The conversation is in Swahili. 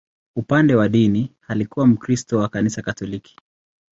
Upande wa dini, alikuwa Mkristo wa Kanisa Katoliki.